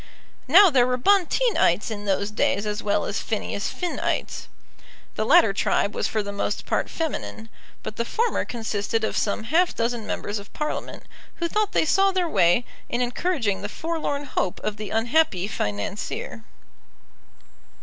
Now there were Bonteenites in those days as well as Phineas Finnites. The latter tribe was for the most part feminine; but the former consisted of some half dozen members of Parliament, who thought they saw their way in encouraging the forlorn hope of the unhappy financier.